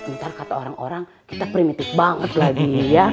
ntar kata orang orang kita primitif banget lagi ya